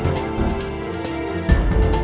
saya sudah selesai mencari